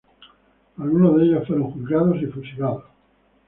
Algunos de ellos fueron juzgados y fusilados.